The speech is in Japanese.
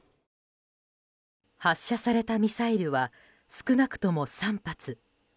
発射されたミサイルは少なくとも３発。